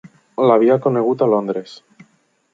L'havia conegut a Londres.